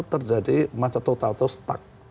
terjadi macet total atau stuck